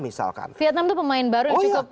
misalkan vietnam itu pemain baru yang cukup